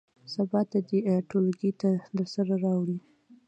سبا ته دې ټولګي ته درسره راوړي.